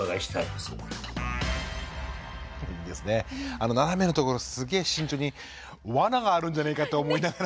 あの斜めのところすげえ慎重にわながあるんじゃねえかって思いながら。